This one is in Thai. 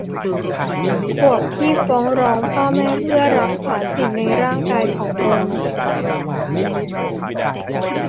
ขวบที่ฟ้องร้องพ่อแม่เพื่อรักษาสิทธิ์ในร่างกายของตน